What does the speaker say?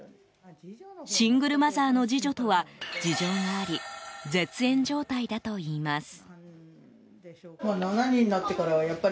シングルマザーの次女とは事情があり絶縁状態だといいます。